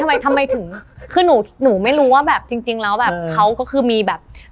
ทำไมทำไมถึงคือหนูหนูไม่รู้ว่าแบบจริงแล้วแบบเขาก็คือมีแบบ